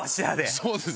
そうです。